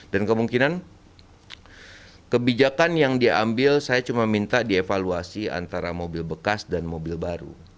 dan kemungkinan kebijakan yang diambil saya cuma minta dievaluasi antara mobil bekas dan mobil baru